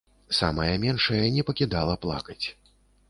Самая меншая не пакідала плакаць.